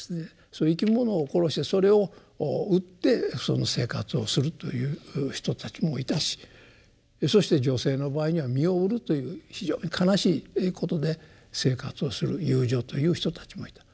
そういう生き物を殺してそれを売って生活をするという人たちもいたしそして女性の場合には身を売るという非常に悲しいことで生活をする遊女という人たちもいた。